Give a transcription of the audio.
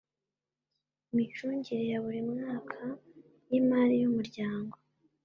imicungire ya buri mwaka y imari y umuryango